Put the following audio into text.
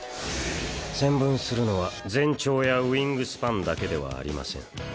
線分するのは全長やウイングスパンだけではありません。